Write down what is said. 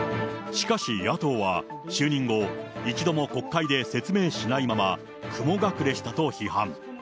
しかし野党は、就任後、一度も国会で説明しないまま、雲隠れしたと批判。